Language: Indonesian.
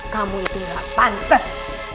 kamu itu gak pantas